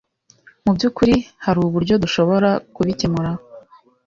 Mu byukuri, hari uburyo dushobora kubikemura.